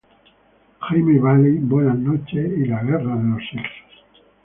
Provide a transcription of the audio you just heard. Jaime Baily, Buenas noches y La Guerra de los sexos.